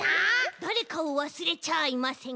だれかをわすれちゃいませんか？